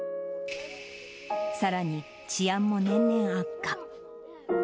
さらに、治安も年々悪化。